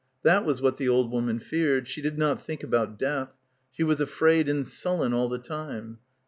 ... That was what the old woman feared. She did not think about death. She was afraid and sullen all the time.